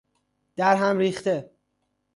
درهم ریخته